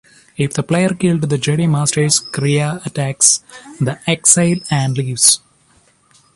If the player killed the Jedi Masters, Kreia attacks the Exile and leaves.